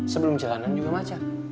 sebelum jalanan juga macem